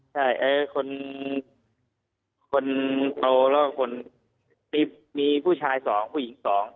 ใช่คนโตแล้วก็มีผู้ชายสองผู้หญิงสอง